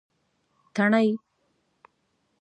تڼۍ